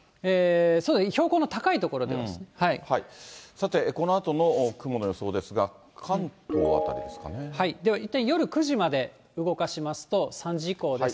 そうですね、さて、このあとの雲の予想ですが、ではいったん、夜９時まで動かしますと、３時間以降です。